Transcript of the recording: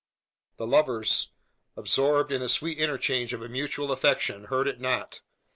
The lovers, absorbed in the sweet interchange of a mutual affection, heard it not.